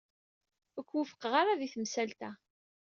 Ur k-wufqeɣ ara di temsalt-a.